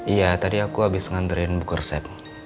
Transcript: iya tadi aku abis ngantriin buku resep